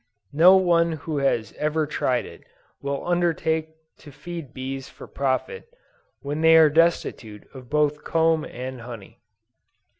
No one who has ever tried it, will undertake to feed bees for profit, when they are destitute of both comb and honey.